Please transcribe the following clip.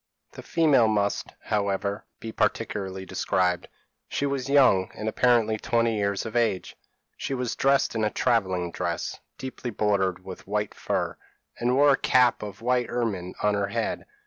p> "The female must, however, be particularly described. She was young, and apparently twenty years of age. She was dressed in a travelling dress, deeply bordered with white fur, and wore a cap of white ermine on her head.